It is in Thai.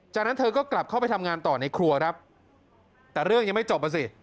จากนั้นเธอก็กลับเข้าไปทำงานต่อในครัวครับแต่เรื่องยังไม่จบอ่ะสิ